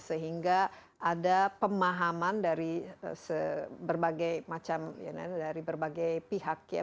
sehingga ada pemahaman dari berbagai macam dari berbagai pihak ya